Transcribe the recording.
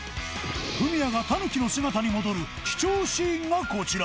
フミヤがたぬきの姿に戻る貴重シーンがこちら！